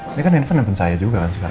ini kan handphone saya juga kan sekarang